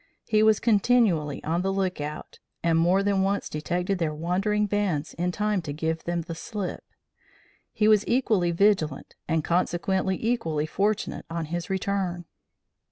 He was continually on the lookout, and more than once detected their wandering bands in time to give them the slip. He was equally vigilant and consequently equally fortunate on his return.